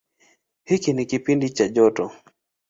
Hiki ni kipindi cha joto.